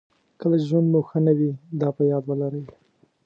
کله چې ژوند مو ښه نه وي دا په یاد ولرئ.